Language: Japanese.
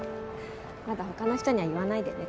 まだ他の人には言わないでね。